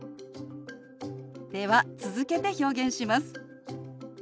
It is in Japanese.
では続けて表現します。